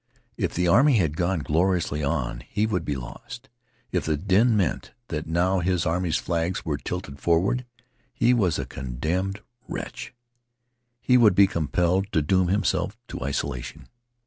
If the army had gone gloriously on he would be lost. If the din meant that now his army's flags were tilted forward he was a condemned wretch. He would be compelled to doom himself to isolation.